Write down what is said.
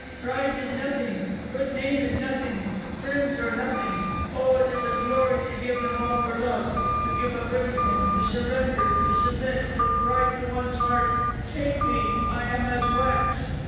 Pride is nothing; good name is nothing; friends are nothing. Oh, it is a glory to give them all for love, to give up everything; to surrender, to submit, to cry to one's heart: 'Take me; I am as wax.